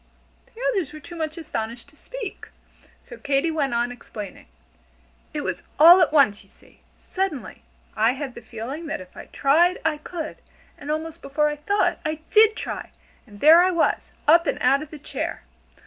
The others were too much astonished to speak, so Katy went on explaining. "It was all at once, you see. Suddenly, I had the feeling that if I tried I could, and almost before I thought, I did try, and there I was, up and out of the chair.